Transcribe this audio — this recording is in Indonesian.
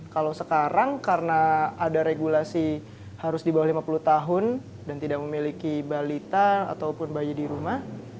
kalau sekarang karena ada regulasi harus di bawah lima puluh tahun dan tidak memiliki balita ataupun bayi di rumah